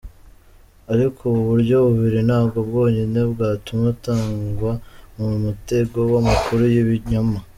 Ariko ubu buryo bubiri ntabwo bwonyine bwatuma utagwa mu mutego w'amakuru y'ibinyoma.